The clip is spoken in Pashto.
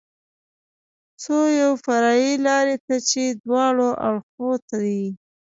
څو یوې فرعي لارې ته چې دواړو اړخو ته یې.